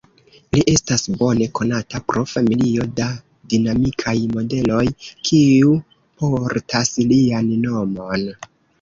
Li estas bone konata pro familio da dinamikaj modeloj, kiu portas lian nomon.